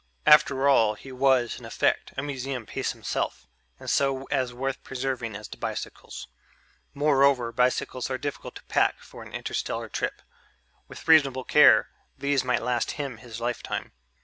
After all, he was, in effect, a museum piece himself and so as worth preserving as the bicycles; moreover, bicycles are difficult to pack for an interstellar trip. With reasonable care, these might last him his lifetime....